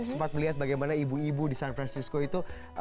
sempat melihat bagaimana ibu ibu di san francisco itu